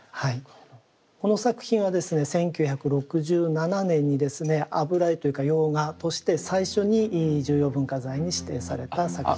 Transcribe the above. この作品はですね１９６７年にですね油絵というか洋画として最初に重要文化財に指定された作品です。